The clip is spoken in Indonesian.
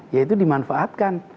ya itu dimanfaatkan